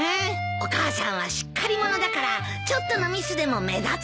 お母さんはしっかり者だからちょっとのミスでも目立つんだよ。